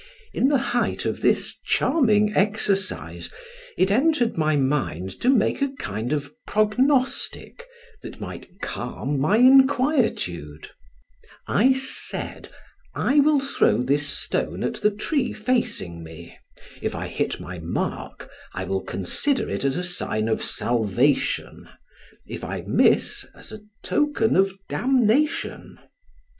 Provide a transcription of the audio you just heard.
In the height of this charming exercise, it entered my mind to make a kind of prognostic, that might calm my inquietude; I said, "I will throw this stone at the tree facing me; if I hit my mark, I will consider it as a sign of salvation; if I miss, as a token of damnation."